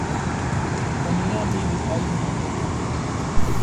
انگلیاں بھی دیکھائی نہیں دیتی